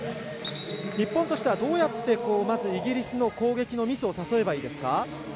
日本としてはどうやってまず、イギリスの攻撃のミスを誘えばいいですか。